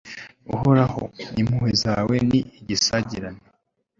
uhoraho, impuhwe zawe ni igisagirane